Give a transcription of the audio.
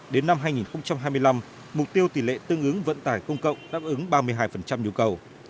đến năm hai nghìn hai mươi năm mục tiêu tỷ lệ tương ứng vận tải công cộng đáp ứng ba mươi hai nhu cầu